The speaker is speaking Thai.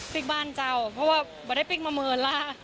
บ้านเจ้าเพราะว่าไม่ได้ปิ๊กมาหมื่นล่ะ